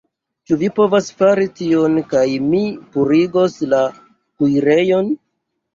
Ĉu vi povas fari tion kaj mi purigos la kuirejon